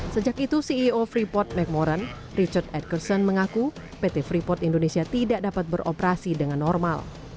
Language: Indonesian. sejak itu ceo freeport mcmoran richard edgerson mengaku pt freeport indonesia tidak dapat beroperasi dengan normal